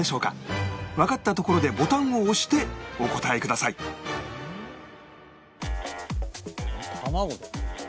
わかったところでボタンを押してお答えください卵。